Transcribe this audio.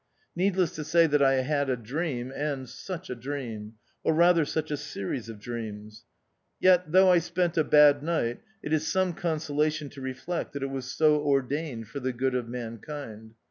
Needless to say that I had a dream, and such a dream ! or rather such a series of dreams! Yet, though I spent a bad night, it is some consolation to reflect it was so ordained for the good of mankind.